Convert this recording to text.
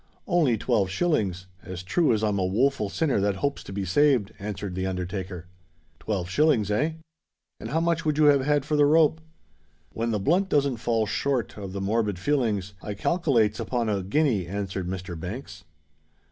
"Only twelve shillings, as true as I'm a woful sinner that hopes to be saved!" answered the undertaker. "Twelve shillings—eh? And how much would you have had for the rope?" "When the blunt doesn't fall short of the morbid feelings, I calkilates upon a guinea," answered Mr. Banks.